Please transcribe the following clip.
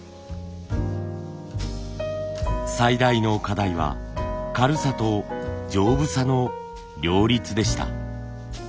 最大の課題は軽さと丈夫さの両立でした。